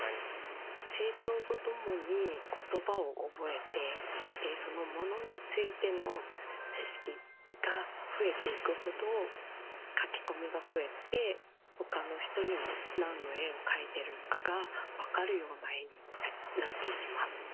成長とともにことばを覚えてでそのものについての知識が増えていくほど描き込みが増えて他の人にもなんの絵を描いてるのかがわかるような絵になっていきます。